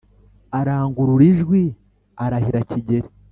Arangurura ijwi arahira Kigeli,